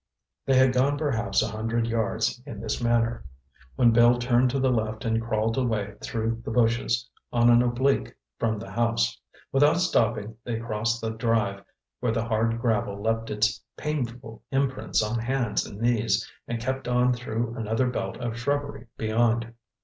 They had gone perhaps a hundred yards in this manner, when Bill turned to the left and crawled away through the bushes, on an oblique from the house. Without stopping, they crossed the drive, where the hard gravel left its painful imprints on hands and knees, and kept on through another belt of shrubbery beyond.